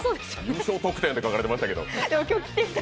優勝特典って書かれていましたけど。